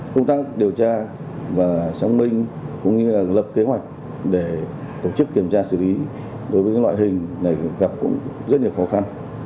công tác điều tra và xác minh cũng như lập kế hoạch để tổ chức kiểm tra xử lý đối với loại hình này gặp cũng rất nhiều khó khăn